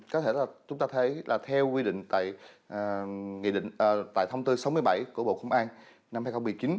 có thể là chúng ta thấy là theo quy định tại thông tư sáu mươi bảy của bộ công an năm hai nghìn một mươi chín